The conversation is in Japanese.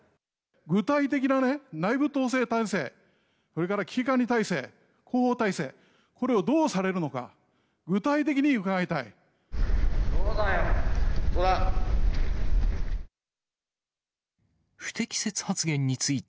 具体的な内部統制体制、それから危機管理体制、広報体制、これをどうされるのか、具体的に伺いたい。